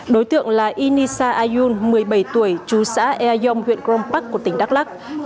đối tượng là inisa ayun một mươi bảy tuổi chú xã ea dông huyện grom park của tỉnh đắk lắc